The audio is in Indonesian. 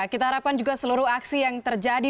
kita harapkan juga seluruh aksi yang terjadi